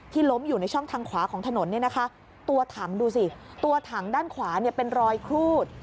ที่ล้มอยู่ในช่องทางขวาของถนนตัวถังดูสิตัวถังด้านขวาเป็นรอยคลูด